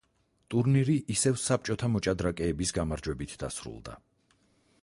ტურნირი ისევ საბჭოთა მოჭადრაკეების გამარჯვებით დასრულდა.